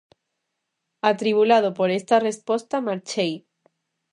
Atribulado por esta resposta, marchei.